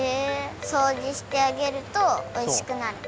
そうじしてあげるとおいしくなる？